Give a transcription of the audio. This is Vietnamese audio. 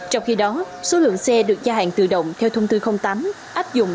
trong khi đó số lượng xe được gia hạn tự động theo thông tư tám áp dụng